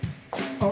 あっ！